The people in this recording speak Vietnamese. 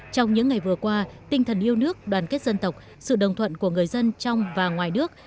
trong những ngày vừa qua tinh thần yêu nước đoàn kết dân tộc sự đồng thuận của người dân trong và ngoài nước